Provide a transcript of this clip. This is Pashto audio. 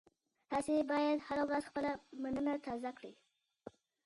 تاسي باید هره ورځ خپله مننه تازه کړئ.